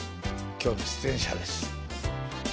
今日の出演者です。